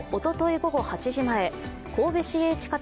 午後８時前神戸市営地下鉄